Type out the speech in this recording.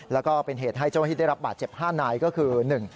แล้วก็เป็นเหตุให้เจ้าหน้าที่ได้รับบาดเจ็บ๕นายก็คือ